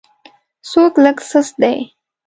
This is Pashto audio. څوک لږ سست دی.